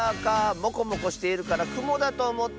もこもこしているからくもだとおもったッス。